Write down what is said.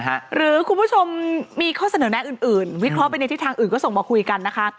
หรือคุณผู้ชมมีข้อเสนอแนะอื่นวิเคราะห์ไปในทิศทางอื่นก็ส่งมาคุยกันนะคะ